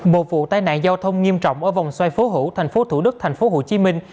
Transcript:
một vụ tai nạn giao thông nghiêm trọng ở vòng xoay phú hữu thành phố thủ đức thành phố hồ chí minh